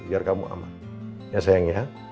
biar kamu aman ya sayangnya